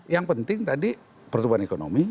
yang penting tadi pertumbuhan ekonomi